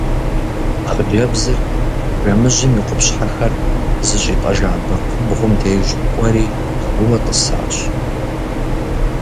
Хъыджэбзыр жэмыжьым и къупщхьэр зыщӀитӀэжа бэкхъыбгъум деж кӀуэри гъыуэ тӀысащ.